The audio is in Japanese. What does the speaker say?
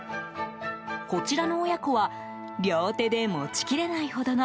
こちらの親子は両手で持ち切れないほどの